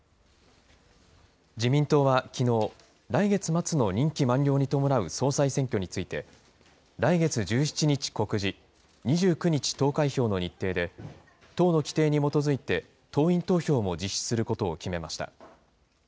自民党はきのう、来月末の任期満了に伴う総裁選挙について、来月１７日告示、２９日投開票の日程で、党の規程に基づいて、党員投票も実施することを決めました。